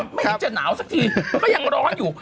ไม่เห็นจะหนาวสักทีก็ยังร้อนอยู่